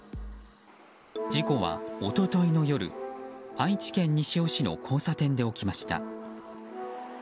事故は、一昨日の夜愛知県西尾市の交差点で起きました。